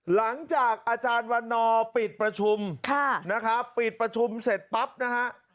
หลังจากอาจารย์วันนอร์ปิดประชุมนะครับปิดประชุมเสร็จปั๊บนะฮะ